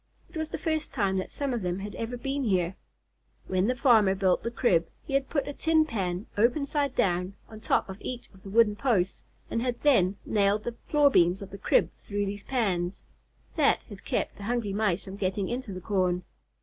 It was the first time that some of them had ever been here. When the farmer built the crib, he had put a tin pan, open side down, on top of each of the wooden posts, and had then nailed the floor beams of the crib through these pans. That had kept the hungry Mice from getting into the corn.